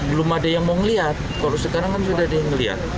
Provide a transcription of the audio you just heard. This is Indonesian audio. belum ada yang mau ngeliat kalau sekarang kan sudah ada yang melihat